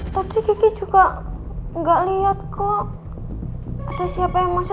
tapi kike juga gak liat kok ada siapa yang masuk